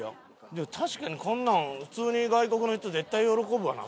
でも確かにこんなん普通に外国の人絶対喜ぶわな